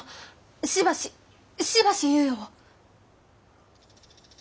しばししばし猶予を。